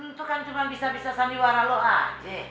itu kan cuma bisa bisa sandiwara loh aja